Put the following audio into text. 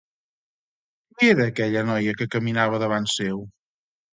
Qui era aquella noia que caminava davant seu?